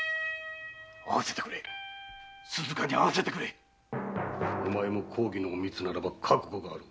会わせてくれ鈴加に会わせてくれお前も公儀の隠密ならば覚悟はあろう。